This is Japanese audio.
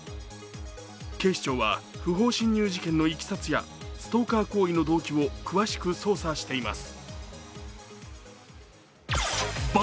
警視庁は不法侵入事件のいきさつやストーカー行為の動機を詳しく捜査しています。